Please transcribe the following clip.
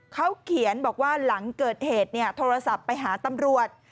เขาเขียนบอกว่าหลังเกิดเหตุโทรศัพท์ไปหาตำรวจ